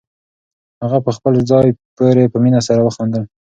هغه په خپل ځان پورې په مینه سره وخندل.